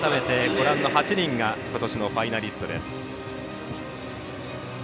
改めて、ご覧の８人がことしのファイナリストです。